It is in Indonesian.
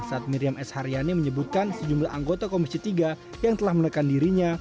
saat miriam s haryani menyebutkan sejumlah anggota komisi tiga yang telah menekan dirinya